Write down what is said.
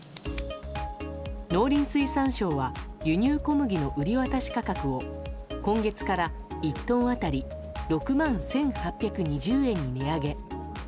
農林水産省は輸入小麦の売り渡し価格を今月から１トン当たり６万１８２０円に値上げ。